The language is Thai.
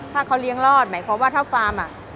ถ้าเขาเลี้ยงรอดหมายความว่าถ้าฟาร์มอ่ะ